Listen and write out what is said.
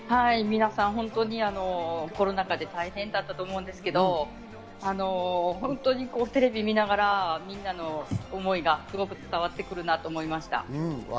皆さん、本当にコロナ禍で大変だったと思うんですけど、テレビを見ながらみんなの思いがすごく伝わってくるなと思いました。